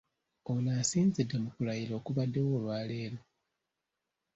Ono asinzidde mu kulayira okubaddewo olwaleero.